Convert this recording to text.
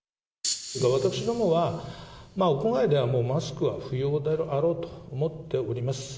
私どもは、屋外ではもうマスクは不要であろうと思っております。